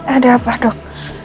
ada apa dok